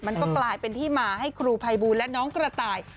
มันก็กลายเป็นที่มาให้ครูภัยบูลและน้องกระต่าย